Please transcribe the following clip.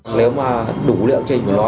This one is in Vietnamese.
nếu mà đủ liệu trình của nó